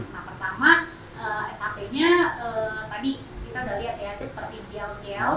nah pertama sap nya tadi kita sudah lihat ya itu seperti gel gel